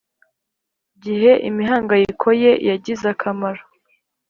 gihe imihangayiko ye yagize akamaro